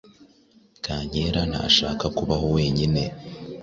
Kankera ntashaka kubaho wenyine.